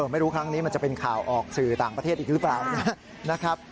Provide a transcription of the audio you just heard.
ไม่รู้ครั้งนี้มันจะเป็นข่าวออกสื่อต่างประเทศอีกหรือเปล่านะครับ